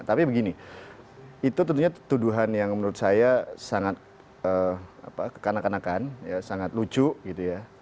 tapi begini itu tentunya tuduhan yang menurut saya sangat kekanak kanakan sangat lucu gitu ya